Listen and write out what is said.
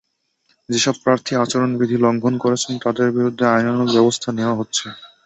যেসব প্রার্থী নির্বাচনের আচরণবিধি লঙ্ঘন করছেন, তাঁদের বিরুদ্ধেই আইনানুগ ব্যবস্থা নেওয়া হচ্ছে।